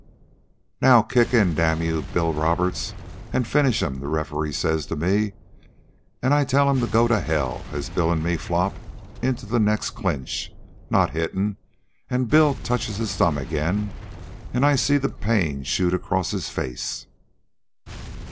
"'Now kick in, damn you, Bill Roberts, an' finish'm' the referee says to me, an' I tell'm to go to hell as Bill an' me flop into the next clinch, not hittin', an' Bill touches his thumb again, an' I see the pain shoot across his face.